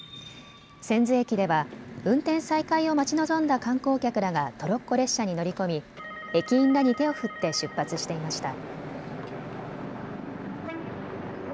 千頭駅では運転再開を待ち望んだ観光客らがトロッコ列車に乗り込み駅員らに手を振って出発していました。